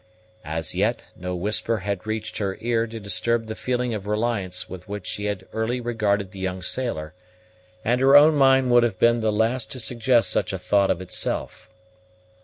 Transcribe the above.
As yet no whisper had reached her ear to disturb the feeling of reliance with which she had early regarded the young sailor, and her own mind would have been the last to suggest such a thought of itself.